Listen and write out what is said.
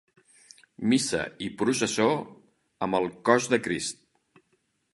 Missa i Processó amb el Cos de Crist.